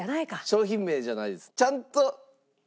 商品名じゃないです。